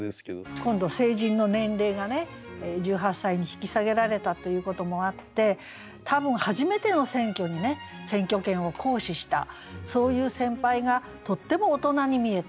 今度成人の年齢がね１８歳に引き下げられたということもあって多分初めての選挙にね選挙権を行使したそういう先輩がとっても大人に見えた